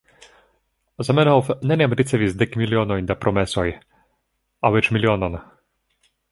Zamenhof neniam ricevis dek milionojn da promesoj, aŭ eĉ milionon.